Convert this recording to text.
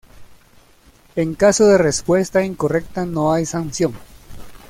En caso de respuesta incorrecta no hay sanción.